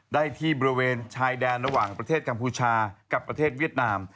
ได้ที่บริเวณชายแดนระหว่างประเทศกัมพูชากับประเทศเวียดนาม